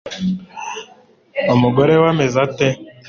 umugore we ameze ate